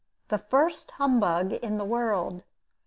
THE FIRST HUMBUG IN THE WORLD.